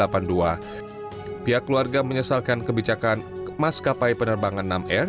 pihak keluarga menyesalkan kebijakan maskapai penerbangan nam air